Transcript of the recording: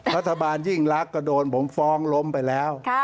รัฐบาลยิ่งรักก็โดนผมฟ้องล้มไปแล้ว